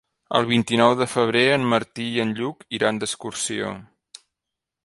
El vint-i-nou de febrer en Martí i en Lluc iran d'excursió.